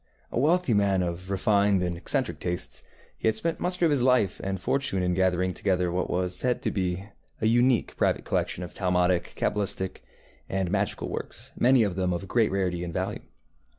A wealthy man of refined and eccentric tastes, he had spent much of his life and fortune in gathering together what was said to be a unique private collection of Talmudic, cabalistic, and magical works, many of them of great rarity and value.